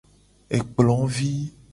Ekplo vi.